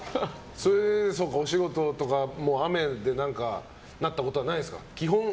お仕事とかも雨でってなったことはないですか？